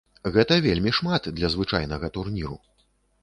Гэта вельмі шмат для звычайнага турніру.